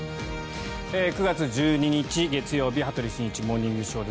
９月１２日、月曜日「羽鳥慎一モーニングショー」。